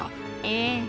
ええ。